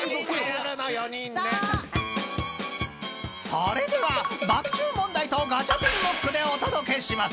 ［それでは爆チュー問題とガチャピンムックでお届けします